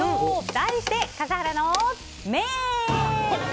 題して、笠原の眼。